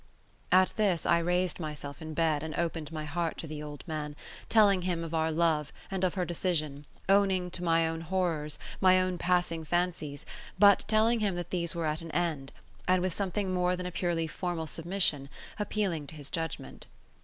At this, I raised myself in bed, and opened my heart to the old man; telling him of our love and of her decision, owning my own horrors, my own passing fancies, but telling him that these were at an end; and with something more than a purely formal submission, appealing to his judgment.